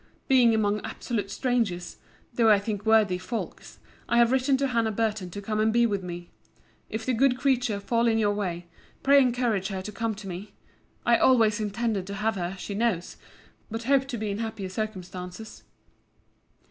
Being among absolute strangers (though I think worthy folks) I have written to Hannah Burton to come and be with me. If the good creature fall in your way, pray encourage her to come to me. I always intended to have her, she knows: but hoped to be in happier circumstances.